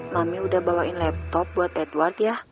mami udah bawain laptop buat edward ya